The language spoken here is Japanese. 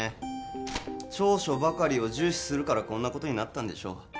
調書ばかりを重視するからこんなことになったんでしょう